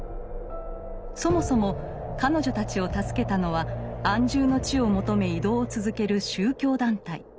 そもそも彼女たちを助けたのは安住の地を求め移動を続ける宗教団体。